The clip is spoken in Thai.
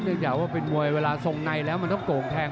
จากว่าเป็นมวยเวลาทรงในแล้วมันต้องโก่งแทง